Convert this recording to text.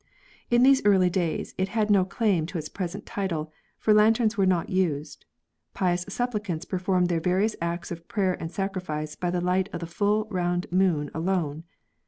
In those early days it had no claim to its present title, for lanterns were not used ; pious supplicants performed their various acts of prayer and sacrifice by the light of the full round moon alone.